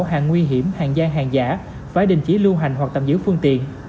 hàng nguy hiểm hàng giang hàng giả phải đình chỉ lưu hành hoặc tạm giữ phương tiện